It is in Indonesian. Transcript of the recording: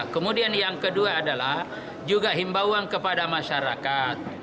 kemudian yang kedua adalah juga himbauan kepada masyarakat